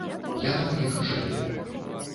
Яна ў іх жыве.